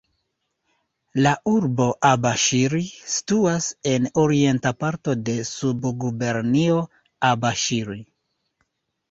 La urbo Abaŝiri situas en orienta parto de Subgubernio Abaŝiri.